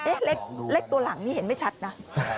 เอ๊ะเลขตัวหลังนี่เห็นไม่ชัดนะ